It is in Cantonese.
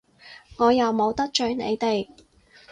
我又冇得罪你哋！